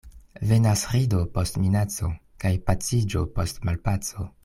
Venas rido post minaco, kaj paciĝo post malpaco.